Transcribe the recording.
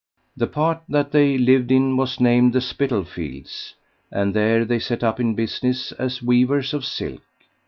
The part that they lived in was named the Spital Fields, and there they set up in business as weavers of silk.